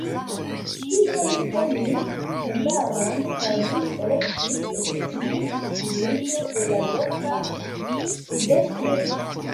Tie li formis tendaron kaj li elektis edzinon filino de la loka tribestro.